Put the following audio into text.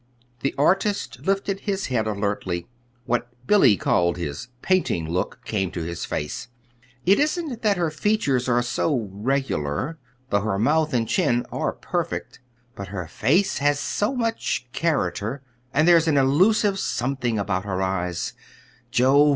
The artist lifted his head alertly. What Billy called his "painting look" came to his face. "It isn't that her features are so regular though her mouth and chin are perfect. But her face has so much character, and there's an elusive something about her eyes Jove!